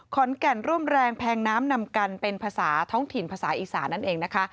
ขอนแก่นร่วมแรงแพงน้ำนำกันเป็นภาษาท้องถิ่นภาษาอีสานนั่นเองนะคะ